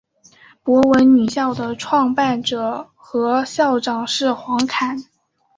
博文女校的创办者和校长是黄侃。